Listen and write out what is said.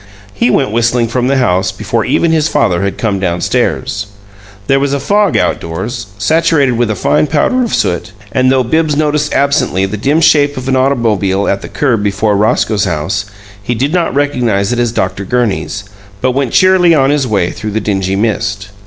He went whistling from the house before even his father had come down stairs. There was a fog outdoors, saturated with a fine powder of soot, and though Bibbs noticed absently the dim shape of an automobile at the curb before Roscoe's house, he did not recognize it as Dr. Gurney's, but went cheerily on his way through the dingy mist.